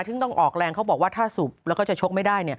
ซึ่งต้องออกแรงเขาบอกว่าถ้าสูบแล้วก็จะชกไม่ได้